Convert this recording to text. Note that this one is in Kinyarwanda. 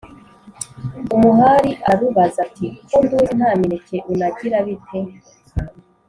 Umuhari urarubaza uti « ko nduzi nta mineke unagira bite ?